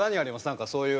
なんかそういう。